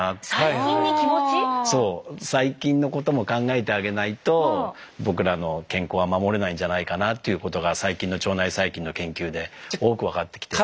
そう細菌のことも考えてあげないと僕らの健康は守れないんじゃないかなっていうことが最近の腸内細菌の研究で多く分かってきて。